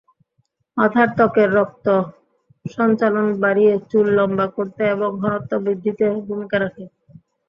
মাথার ত্বকের রক্ত সঞ্চালন বাড়িয়ে চুল লম্বা করতে এবং ঘনত্ব বৃদ্ধিতে ভূমিকা রাখে।